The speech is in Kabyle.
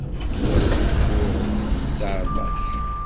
Wa d umuɣ wis tseɛṭac.